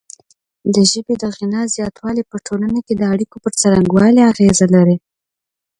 د ژبې د غنا زیاتوالی په ټولنه کې د اړیکو پر څرنګوالي اغیزه لري.